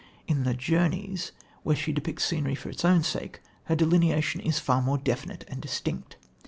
In the Journeys, where she depicts scenery for its own sake, her delineation is more definite and distinct.